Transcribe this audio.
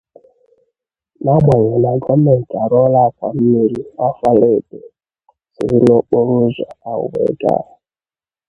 n'agbanyeghị na gọọmenti arụọla àkwàmmiri Ọfala Ébè sírí n'okporoụzọ ahụ wee gaa